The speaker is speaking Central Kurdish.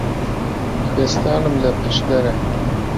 کوێستانم لە پشدەرە